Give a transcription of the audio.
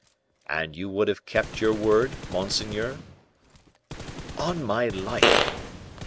'" "And you would have kept your word, monseigneur?" "On my life!